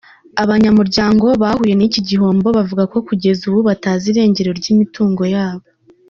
Abanyamuryango bahuye n’iki gihombo bavuga ko kugeza ubu batazi irengero ry’imitungo yabo.